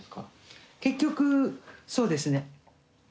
結局そうですね。